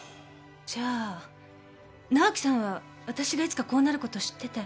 じゃあ直季さんはあたしがいつかこうなることを知ってて。